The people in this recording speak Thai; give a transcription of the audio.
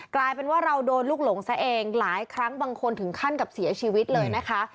กลายเป็นว่าเราโดนลูกหลงซะเองหลายครั้งบางคนถึงขั้นกับเสียชีวิตเลยนะคะ